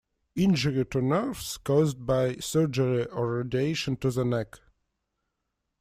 Injury to nerves caused by surgery or radiation to the neck.